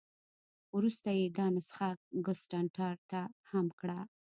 وروسته یې دا نسخه ګسټتنر هم کړه.